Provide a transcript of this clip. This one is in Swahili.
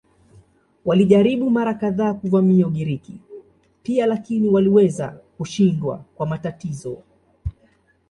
Walijaribu mara kadhaa kuvamia Ugiriki pia lakini waliweza kushindwa kwa matatizo.